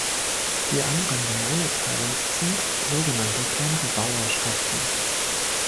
Die anderen Gemeindeteile sind so genannte kleinere Bauerschaften.